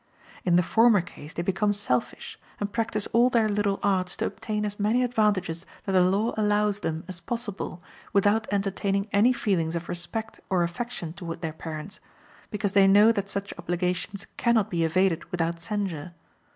In the former case they become selfish, and practice all their little arts to obtain as many advantages that the law allows them as possible, without entertaining any feelings of respect or affection toward their parents, because they know that such obligations can not be evaded without censure.